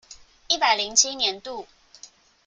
一百零七年度